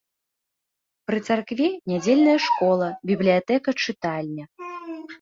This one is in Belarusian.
Пры царкве нядзельная школа, бібліятэка-чытальня.